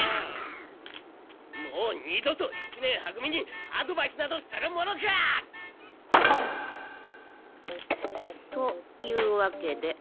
もう二度と一年は組にアドバイスなどするものか！というわけで。